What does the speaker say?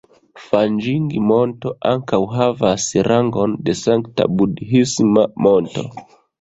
Fanĝing-Monto ankaŭ havas rangon de sankta budhisma monto.